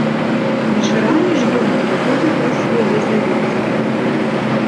Вечарамі ж ён падыходзіў праз свой лес да вёскі.